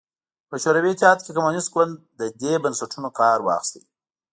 په شوروي اتحاد کې کمونېست ګوند له دې بنسټونو کار واخیست